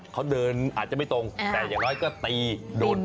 เขาเดินอาจจะไม่ตรงแต่อย่างน้อยก็ตีโดน